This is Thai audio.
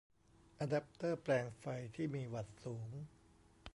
อะแดปเตอร์แปลงไฟที่มีวัตต์สูง